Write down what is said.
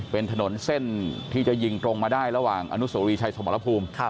เป็นถนนเส้นที่จะยิงตรงมาได้ระหว่างอนุโสรีชัยสมรภูมิ